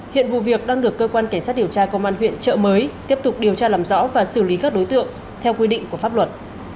hiện vụ việc đang được cơ quan cảnh sát điều tra công an huyện trợ mới tiếp tục điều tra làm rõ và xử lý các đối tượng theo quy định của pháp luật